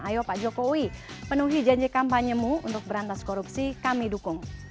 ayo pak jokowi penuhi janji kampanyemu untuk berantas korupsi kami dukung